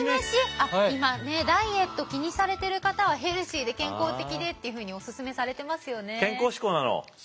あっ今ねダイエット気にされてる方はヘルシーで健康的でっていうふうにおすすめされてますよね。